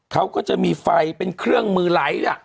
เขาก็จะมีไฟเป็นเครื่องมือไหลล่ะ